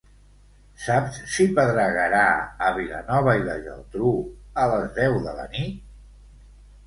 Saps si pedregarà a Vilanova i la Geltrú a les deu de la nit?